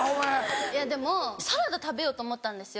いやでもサラダ食べようと思ったんですよ。